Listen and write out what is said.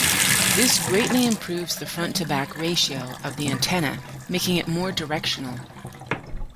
This greatly improves the front-to-back ratio of the antenna, making it more directional.